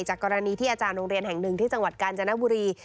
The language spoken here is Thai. กรณีที่อาจารย์โรงเรียนแห่งหนึ่งที่จังหวัดกาญจนบุรี